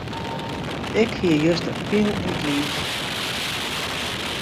Ik hie juster pine yn 't liif.